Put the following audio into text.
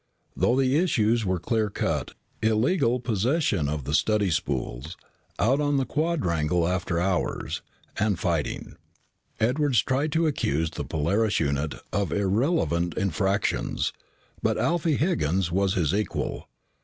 Though the issues were clear cut illegal possession of the study spools, out on the quadrangle after hours, and fighting Edwards tried to accuse the Polaris unit of irrelevant infractions. But Alfie Higgins was his equal.